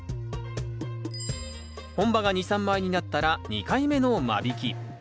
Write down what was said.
本葉が２３枚になったら２回目の間引き。